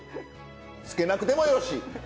つけなくてもよし。